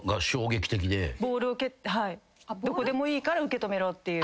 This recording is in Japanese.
どこでもいいから受け止めろっていう。